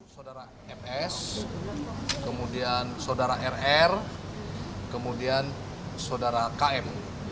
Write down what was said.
saudara fs kemudian saudara rr kemudian saudara km